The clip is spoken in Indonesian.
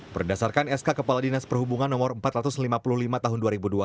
berdasarkan sk kepala dinas perhubungan no empat ratus lima puluh lima tahun dua ribu dua puluh